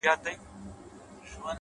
ه یاره دا زه څه اورمه” څه وینمه”